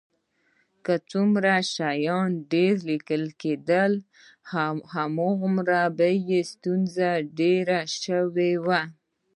هر څومره چې شیان ډېر لیکل کېدل، همغومره به یې ستونزې ډېرې شوې.